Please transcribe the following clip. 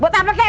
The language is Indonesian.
buat apa kak